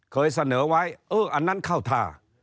เคยเสนอไว้เอออันนั้นเข้าท่า